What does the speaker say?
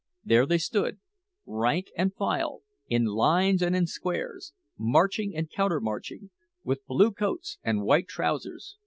There they stood, rank and file, in lines and in squares, marching and counter marching, with blue coats and white trousers.